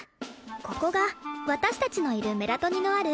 ここが私達のいるメラトニのある